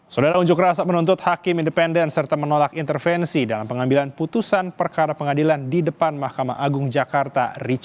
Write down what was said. saudara unjuk rasa menuntut hakim independen serta menolak intervensi dalam pengambilan putusan perkara pengadilan di depan mahkamah agung jakarta